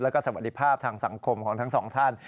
แล้วก็สวัสดีภาพทางสังคมของทั้งสองท่าน